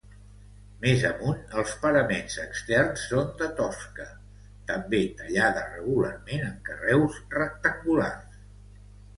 Més amunt, els paraments externs són de tosca, també tallada regularment en carreus rectangulars.